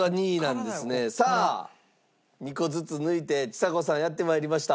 さあ２個ずつ抜いてちさ子さんやって参りました。